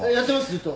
ずっと。